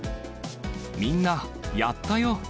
みんな、やったよー！